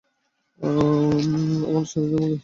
আমার সিম্বাকে চাই।